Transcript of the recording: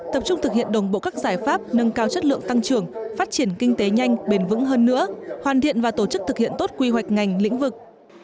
tập trung thực hiện đồng bộ các giải pháp nâng cao chất lượng tăng trưởng phát triển kinh tế nhanh bền vững hơn nữa hoàn thiện và tổ chức thực hiện tốt quy hoạch ngành lĩnh vực